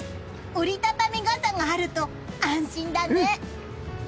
折り畳み傘があると安心だね！